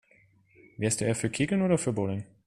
Wärst du eher für Kegeln oder für Bowling?